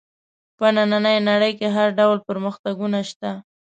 په نننۍ نړۍ کې هر ډول پرمختګونه شته.